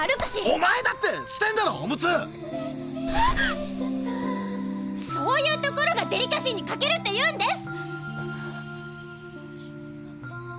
おまえだってしてんだろオムツ！は⁉そういうところが「デリカシーに欠ける」って言うんです！